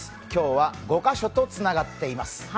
今日は５カ所とつながっています。